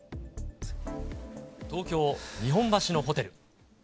東京・日本橋のホテル。